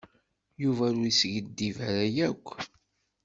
Yuba ur yeskiddib ara akk.